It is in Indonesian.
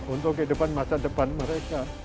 untuk kehidupan masa depan mereka